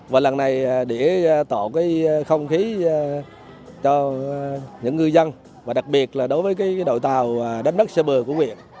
và lần này để tạo không khí cho những ngư dân và đặc biệt là đối với đội tàu đánh bắt xa bờ của huyện